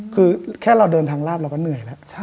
คือแค่เราเดินทางลาบเราก็เหนื่อยแล้ว